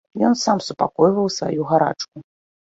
Ён сам супакойваў сваю гарачку.